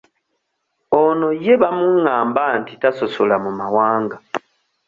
Ono ye bamungamba nti tasosola mu mawanga.